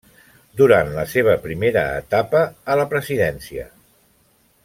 Durant la seva primera etapa a la presidència.